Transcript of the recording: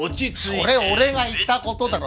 それ俺が言った事だろ！